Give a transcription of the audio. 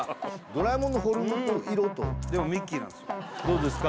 ドラえもんのフォルムと色とでもミッキーなんすよどうですか？